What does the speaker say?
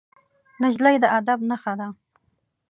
نجلۍ د ادب نښه ده.